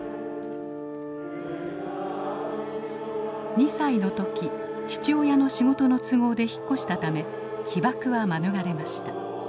２歳の時父親の仕事の都合で引っ越したため被爆は免れました。